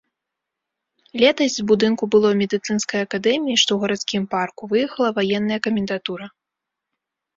Летась з будынку былой медыцынскай акадэміі, што ў гарадскім парку, выехала ваенная камендатура.